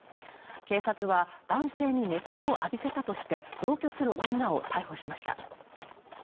警察は、男性に熱湯を浴びせたとして、同居する女を逮捕しました。